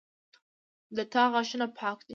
د تا غاښونه پاک دي